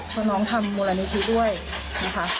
เพราะน้องทำมูลนิธิด้วยนะคะ